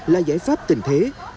là giải pháp tình thế